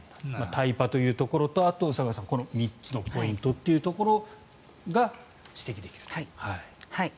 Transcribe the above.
タイパというところとあとは宇佐川さん３つのポイントというところが指摘できる。